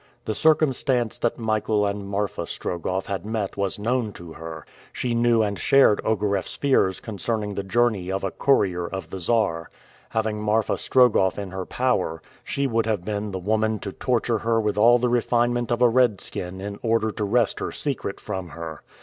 The circumstance that Michael and Marfa Strogoff had met was known to her. She knew and shared Ogareff's fears concerning the journey of a courier of the Czar. Having Marfa Strogoff in her power, she would have been the woman to torture her with all the refinement of a Redskin in order to wrest her secret from her.